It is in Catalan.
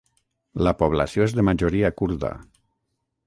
La població és de majoria kurda.